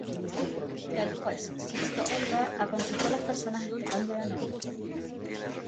El juez Sixto Olga aconsejó a las personas este cambio de nombre.